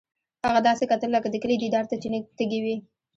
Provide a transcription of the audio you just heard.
هغه داسې کتل لکه د کلي دیدار ته چې تږی وي